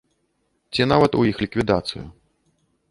Ці нават у іх ліквідацыю.